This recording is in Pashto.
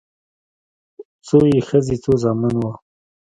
څو يې ښځې څو زامن وه